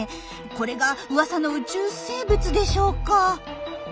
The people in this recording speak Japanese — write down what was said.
これが噂の宇宙生物でしょうか？